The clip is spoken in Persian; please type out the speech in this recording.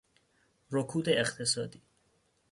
رکود اقتصادی